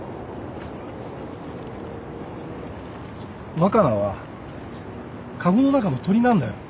若菜は籠の中の鳥なんだよ。